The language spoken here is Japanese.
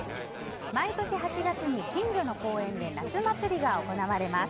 毎年８月に近所の公園で夏祭りが行われます。